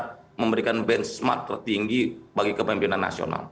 bahwa pak jokowi memberikan standar memberikan benchmark tertinggi bagi kemimpinan nasional